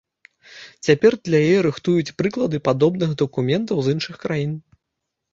Цяпер для яе рыхтуюць прыклады падобных дакументаў з іншых краін.